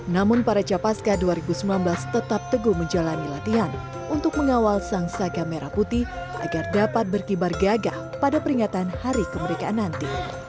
namun para capaska dua ribu sembilan belas tetap teguh menjalani latihan untuk mengawal sang saga merah putih agar dapat berkibar gagah pada peringatan hari kemerdekaan nanti